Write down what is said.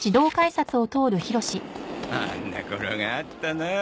あんな頃があったなあ。